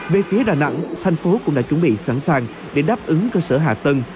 về phía đà nẵng thành phố cũng đã chuẩn bị sẵn sàng để đáp ứng cơ sở hạ tầng